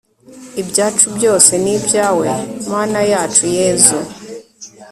ibyacu byose ni ibyawe mana yacu yezu